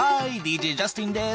ＤＪジャスティンです。